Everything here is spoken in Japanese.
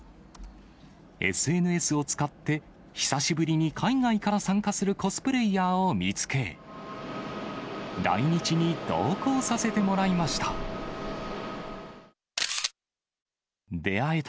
ＳＮＳを使って、久しぶりに海外から参加するコスプレイヤーを見つけ、来日に同行させてもらいました。